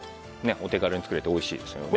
お手軽に作れておいしいですよね。